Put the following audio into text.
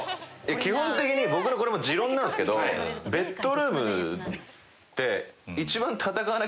基本的に僕のこれも持論なんすけどベッドルームって。